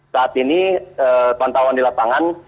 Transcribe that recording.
saat ini pantauan di lapangan